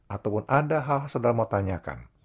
ataupun ada hal saudara mau tanyakan